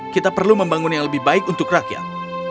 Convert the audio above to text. kita perlu membangun yang lebih baik untuk rakyat